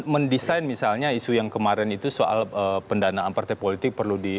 mendesain misalnya isu yang kemarin itu soal pendanaan partai politik perlu di